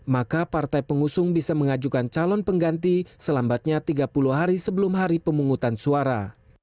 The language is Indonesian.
maka partai pengusung bisa mengajukan calon pengganti selambatnya tiga puluh hari sebelum hari pemungutan suara